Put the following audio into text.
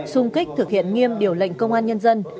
xung kích thực hiện nghiêm điều lệnh công an nhân dân